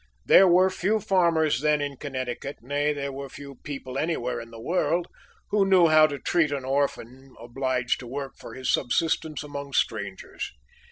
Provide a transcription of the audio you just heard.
There were few farmers then in Connecticut nay, there were few people anywhere in the world who knew how to treat an orphan obliged to work for his subsistence among strangers.